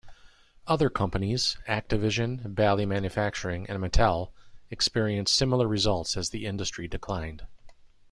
Other companies-Activision, Bally Manufacturing, and Mattel-experienced similar results as the industry declined.